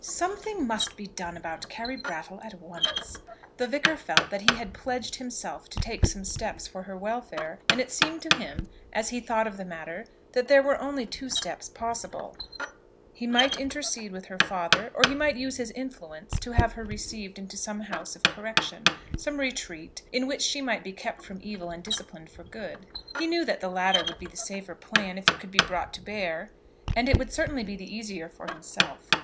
"Something must be done about Carry Brattle at once." The Vicar felt that he had pledged himself to take some steps for her welfare, and it seemed to him, as he thought of the matter, that there were only two steps possible. He might intercede with her father, or he might use his influence to have her received into some house of correction, some retreat, in which she might be kept from evil and disciplined for good. He knew that the latter would be the safer plan, if it could be brought to bear; and it would certainly be the easier for himself.